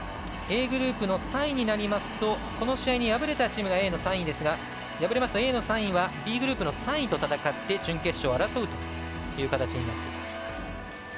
Ａグループの３位になりますとこの試合に敗れたチームがＡの３位ですがＡの３位はＢグループの３位と戦って準決勝を争うという形になっています。